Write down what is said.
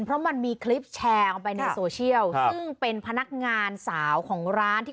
เพราะมันมีคลิปแชร์ออกไปในโซเชียลซึ่งเป็นพนักงานสาวของร้านที่